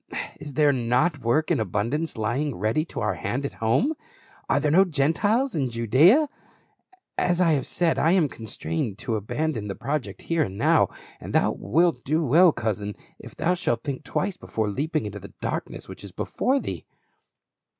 is there not work in abundance lying ready to our hand at home ? Are there no Gentiles in Judaea ? As I have said, I am constrained to abandon the project here and now, and thou wilt do well, cousin, if thou shalt think twice before leaping into the darkness which is before thee."